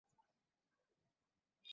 আমাদের উপরে দুটো হেলিকপ্টার আছে।